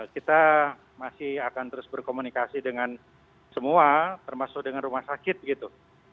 kita masih akan terus berkomunikasi dengan semua termasuk dengan rumah sakit gitu